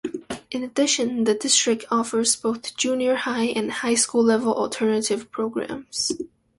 In addition, the district offers both junior high- and high school-level alternative programs.